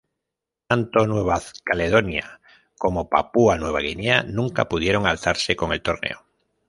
Tanto Nueva Caledonia como Papúa Nueva Guinea nunca pudieron alzarse con el torneo.